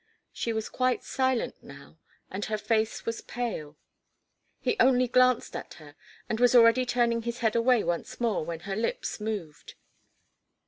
She was quite silent now, and her face was pale. He only glanced at her, and was already turning his head away once more when her lips moved.